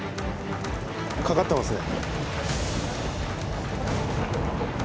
かかってますね。